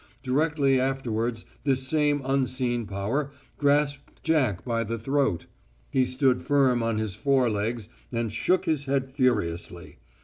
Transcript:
Directly afterwards this same unseen power grasped Jack by the throat ... he stood firm on his fore legs and shook his head furiously.